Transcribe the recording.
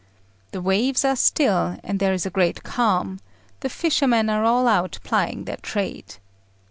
The waves are still, and there is a great calm; the fishermen are all out plying their trade.